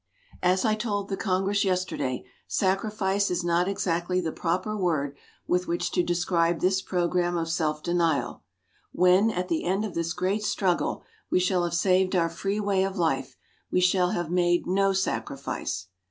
As I told the Congress yesterday, "sacrifice" is not exactly the proper word with which to describe this program of self denial. When, at the end of this great struggle we shall have saved our free way of life, we shall have made no "sacrifice."